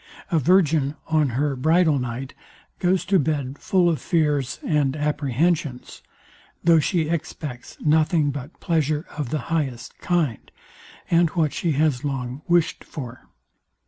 A virgin, on her bridalnight goes to bed full of fears and apprehensions, though she expects nothing but pleasure of the highest kind, and what she has long wished for.